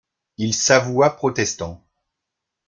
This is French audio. Il s'avoua protestant.